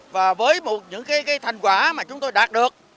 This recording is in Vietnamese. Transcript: và với những thành quả mà chúng tôi đạt được